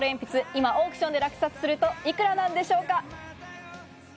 今、オークションで落札するといくらなんでしょうか？